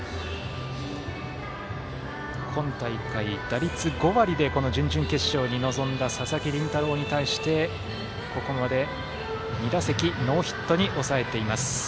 今大会、打率５割でこの準々決勝に臨んだ佐々木麟太郎に対してここまで、２打席ノーヒットに抑えています。